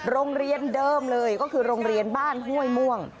โรงเรียนเดิมเลยก็คือโรงเรียนบ้านห้วยม่วง